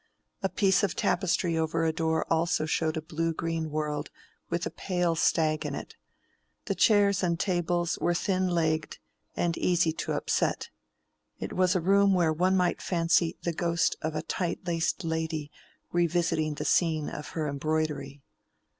A piece of tapestry over a door also showed a blue green world with a pale stag in it. The chairs and tables were thin legged and easy to upset. It was a room where one might fancy the ghost of a tight laced lady revisiting the scene of her embroidery.